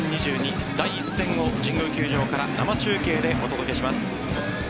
第１戦を神宮球場から生中継でお届けします。